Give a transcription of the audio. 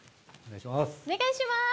お願いします。